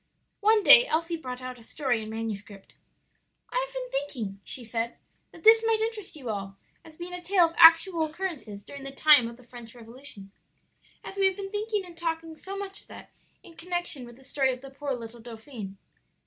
One day Elsie brought out a story in manuscript. "I have been thinking," she said, "that this might interest you all as being a tale of actual occurrences during the time of the French Revolution; as we have been thinking and talking so much of that in connection with the story of the poor little dauphin."